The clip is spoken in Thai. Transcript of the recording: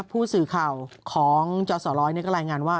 ผู้สื่อข่าวของจอสร้อยก็รายงานว่า